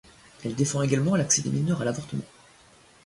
Elle défend également l'accès des mineurs à l'avortement.